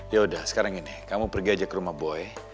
yaudah sekarang ini kamu pergi aja ke rumah boy